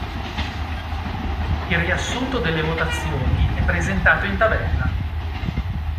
Il riassunto delle votazioni è presentato in tabella.